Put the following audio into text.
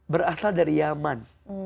berasal dari yaman